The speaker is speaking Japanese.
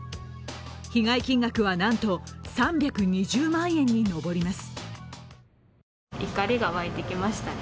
被害金額はなんと３２０万円に上ります。